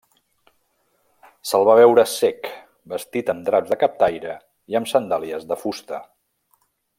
Se'l va veure cec, vestit amb draps de captaire i amb sandàlies de fusta.